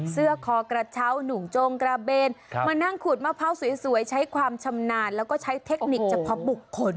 เสื้อคอกระเช้าหนุ่มโจงกระเบนมานั่งขูดมะพร้าวสวยใช้ความชำนาญแล้วก็ใช้เทคนิคเฉพาะบุคคล